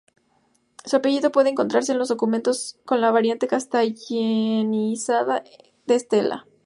Su apellido puede encontrarse en los documentos con la variante castellanizada de Estela.